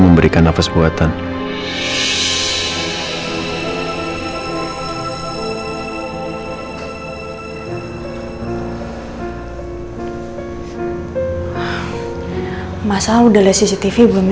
beberapa hari selama aya restercobot